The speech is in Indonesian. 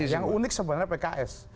yang unik sebenarnya pks